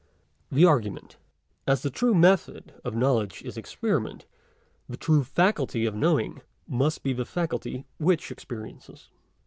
THE ARGUMENT. As the true method of knowledge is experiment ; the true faculty of knowing must be the faculty which experiences.